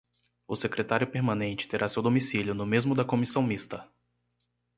O Secretário permanente terá seu domicílio no mesmo da Comissão mista.